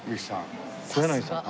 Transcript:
小柳さん。